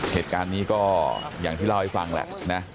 เหตุการณ์นี้ก็อย่างที่เล่าให้ฟังแหละนะ